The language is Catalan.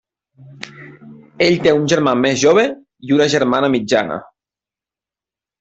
Ell té un germà més jove i una germana mitjana.